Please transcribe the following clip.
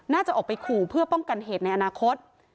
น่าจะออกไปขู่เพื่อป้องกันเหตุในอนาคต